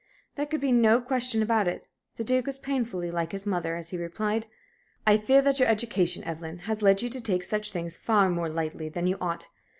There could be no question about it, the Duke was painfully like his mother as he replied: "I fear that your education, Evelyn, has led you to take such things far more lightly than you ought.